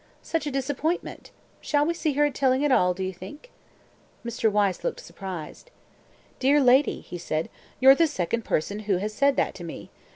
"Such a disappointment! Shall we see her at Tilling at all, do you think?" Mr. Wyse looked surprised. "Dear lady," he said, "you're the second person who has said that to me.